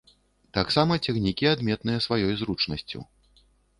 Таксама цягнікі адметныя сваёй зручнасцю.